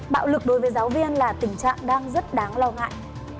bạo lực đối với giáo viên là tình trạng đang rất đáng lo ngại